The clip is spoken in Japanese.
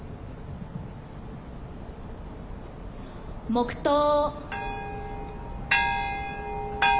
黙とう。